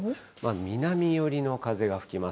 南寄りの風が吹きます。